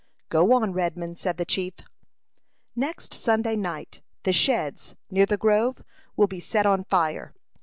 "Go on, Redman," said the chief. "Next Sunday night, the sheds, near the grove, will be set on fire.